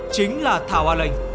chính là thảo an lệnh